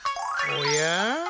おや？